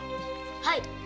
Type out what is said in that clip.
はい。